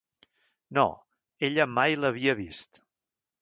No, ella mai l"havia vist.